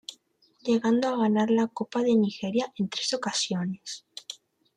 Llegando a ganar la Copa de Nigeria en tres ocasiones.